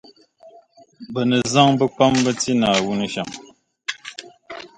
Bɛ ni zaŋ bikpamba ti Naawuni shɛm.